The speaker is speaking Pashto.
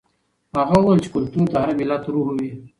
هغه وویل چې کلتور د هر ملت روح وي.